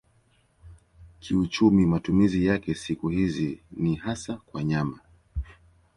Kiuchumi matumizi yake siku hizi ni hasa kwa nyama.